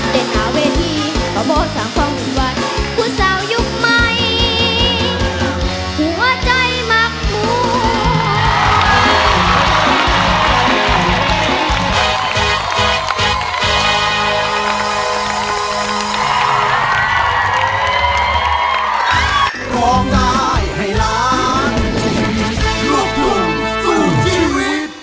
เต้นอาเวทีประโบสถ์ของพิวัติผู้เศร้ายุคใหม่หัวใจมะมุม